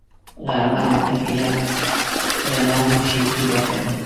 غرمه د طبیعت له نرمو شیبو ډکه ده